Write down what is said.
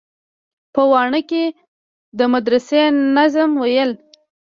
په واڼه کښې د مدرسې ناظم ويل.